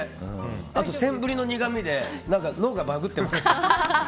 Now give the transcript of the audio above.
あとセンブリの苦みで脳がバグってる。